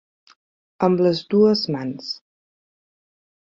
Amb les dues mans.